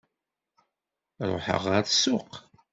Ruḥeɣ ɣer ssuq.